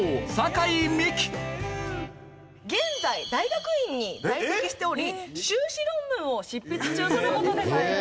現在大学院に在籍しており修士論文を執筆中との事です。